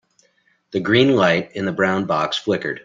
The green light in the brown box flickered.